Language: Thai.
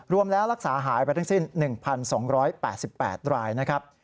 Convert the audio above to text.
รวมแล้วรักษาหายไปทั้งสิ้น๑๒๘๘รายนะครับ